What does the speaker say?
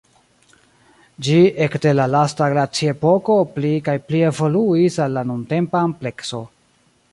Ĝi ekde la lasta glaciepoko pli kaj pli evoluis al la nuntempa amplekso.